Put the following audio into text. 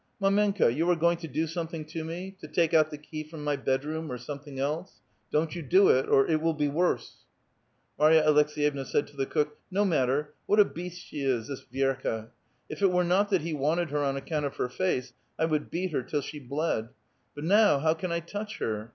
" Mdmenka^ you are going to do something to me ! to take out the ke}' from my bedroom, or something else. Don't you do it, or it will be worse !" Marya Aleks6yevna said to the cook, " No matter. What a beast she is! this Vierka ! If it were not that he wanted her on account of her face, I would beat her till she bled ! But now how can I touch her?